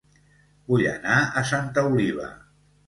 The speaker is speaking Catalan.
Vull anar a Santa Oliva